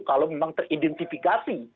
kalau memang teridentifikasi